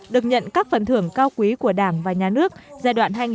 được nhận các phần thưởng cao quý của đảng và nhà nước giai đoạn hai nghìn một mươi